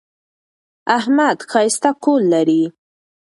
احمد ښایسته کور لري.